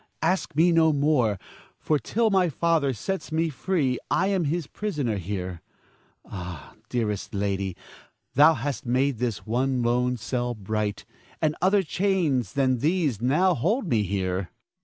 Ask me no more; for till thy father sets me free, I am his prisoner here. Ah, dearest lady, thou hast made this lone cell bright, and other chains than these now hold me here.